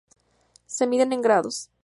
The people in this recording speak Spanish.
Se miden en grados.